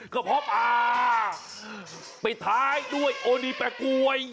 กระพบอ่าไปท้ายด้วยโอดีแปะกลวย